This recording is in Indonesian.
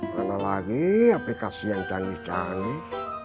mana lagi aplikasi yang canggih canggih